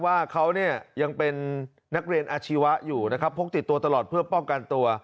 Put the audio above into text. ว่าเขาเนี่ยยังเป็นนักเรียนอาชีวะอยู่นะครับพกติดตัวตลอดเพื่อป้องกันตัว